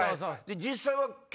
で実際は。